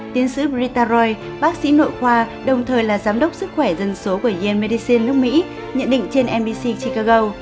tiến sĩ britta roy bác sĩ nội khoa đồng thời là giám đốc sức khỏe dân số của yen medicine nước mỹ nhận định trên nbc chicago